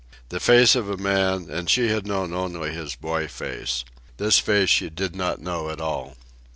The face of a man, and she had known only his boy face. This face she did not know at all.